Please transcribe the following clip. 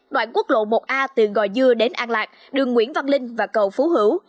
đoạn quốc lộ một a từ gò dưa đến an lạc đường nguyễn văn linh và cầu phú hữu